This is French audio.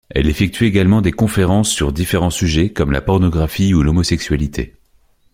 Elle effectue également des conférences sur différents sujets, comme la pornographie ou l'homosexualité.